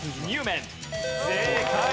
正解。